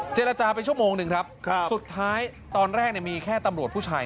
เจรจาไปชั่วโมงหนึ่งครับสุดท้ายตอนแรกมีแค่ตำรวจผู้ชาย